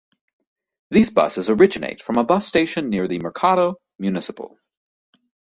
These buses originate from a bus station near the Mercado Municipal.